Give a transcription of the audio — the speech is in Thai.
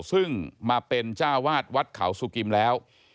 ซึ่งมาเป็นจ้าวาดวัดเขาสุกิมแล้ว